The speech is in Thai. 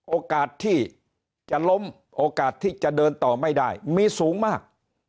โอกาสที่จะล้มโอกาสที่จะเดินต่อไม่ได้มีสูงมาก